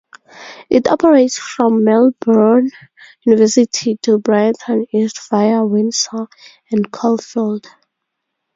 It operates from Melbourne University to Brighton East via Windsor and Caulfield.